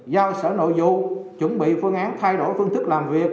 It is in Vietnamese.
giao sở nội vụ chuẩn bị phương án thay đổi phương thức làm việc